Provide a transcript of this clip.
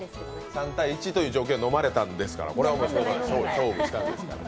３対１という条件をのまれたんですから、これはちゃんと勝負したんですから。